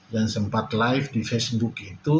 dan sempat live di facebook itu